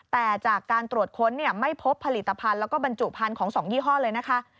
แต่จากการตรวจค้นไม่พบผลิตภัณฑ์แล้วก็บรรจุพันธุ์ของ๒ยี่ห้อเลยนะคะ